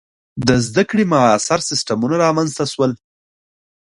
• د زده کړې معاصر سیستمونه رامنځته شول.